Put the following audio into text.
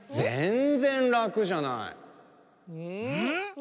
ん？